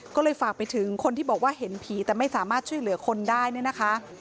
ก็เลยฝากไปถึงคนที่บอกว่าเห็นผีแต่ไม่สามารถช่วยเหลือคนได้เนี่ยนะคะ